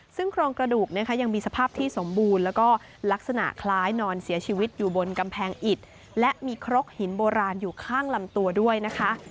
ซึ่งโครงกระดูกนะคะยังมีสภาพที่สมบูรณ์แล้วก็ลักษณะคล้ายนอนเสียชีวิตอยู่บนกำแพงอิดและมีครกหินโบราณอยู่ข้างลำตัวด้วยนะคะ